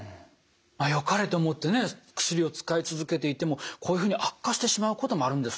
よかれと思ってね薬を使い続けていてもこういうふうに悪化してしまうこともあるんですね。